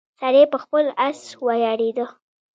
سړی په خپل اس ویاړیده.